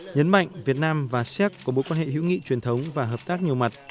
nhấn mạnh việt nam và xét có bối quan hệ hữu nghị truyền thống và hợp tác nhiều mặt